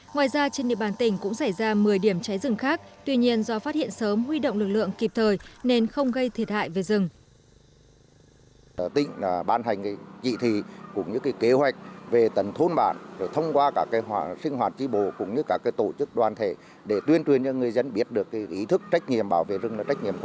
ngoài ra trên địa bàn tỉnh cũng xảy ra một mươi điểm cháy rừng khác tuy nhiên do phát hiện sớm huy động lực lượng kịp thời nên không gây thiệt hại về rừng